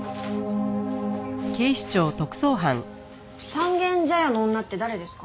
三軒茶屋の女って誰ですか？